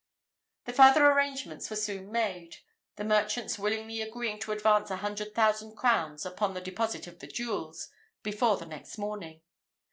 The farther arrangements were soon made; the merchants willingly agreeing to advance a hundred thousand crowns, upon the deposit of the jewels, before the next morning.